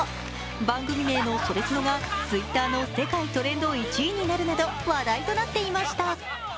番組名の「それスノ」がＴｗｉｔｔｅｒの世界トレンド１位になるなど話題となっていました。